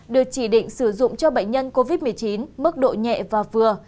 được chỉ định sử dụng cho bệnh nhân covid một mươi chín mức độ nhẹ và vừa